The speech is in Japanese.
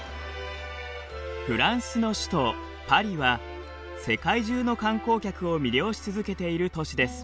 フランスの首都パリは世界中の観光客を魅了し続けている都市です。